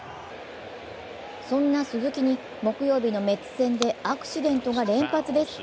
そんな鈴木に、木曜日のメッツ戦でアクシデントが連発です。